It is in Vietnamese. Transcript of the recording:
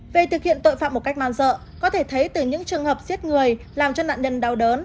về thực hiện tội phạm một cách man dợ có thể thấy từ những trường hợp giết người làm cho nạn nhân đau đớn